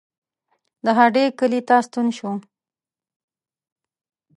د هډې کلي ته ستون شو.